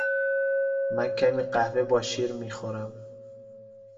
من کمی قهوه با شیر می خورم.